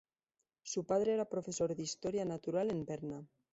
Su padre era profesor de historia natural en Berna.